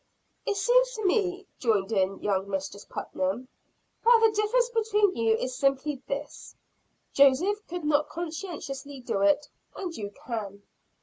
"It seems to me," joined in young Mistress Putnam, "that the difference between you is simply this. Joseph could not conscientiously do it; and you can."